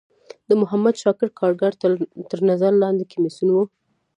د محمد شاکر کارګر تر نظر لاندی کمیسیون و.